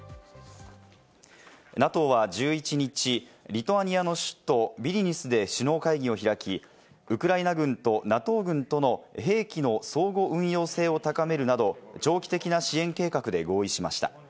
ＮＡＴＯは１１日、リトアニアの首都ビリニュスで首脳会議を開き、ウクライナ軍とＮＡＴＯ軍との兵器の相互運用性を高めるなど、長期的な支援計画で合意しました。